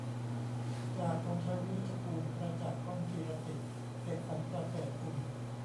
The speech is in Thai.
จาก ธงชัย วินิจจะกูล ประจักษ์ ก้องกีรติ เสกสรรค์ ประเสริฐกุล